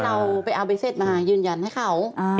ให้เราไปเอาไปเซ็ตมายืนยันให้เขา